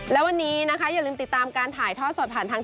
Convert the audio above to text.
และวันนี้นะคะอย่าลืมติดตามการถ่ายทอดสดผ่านทาง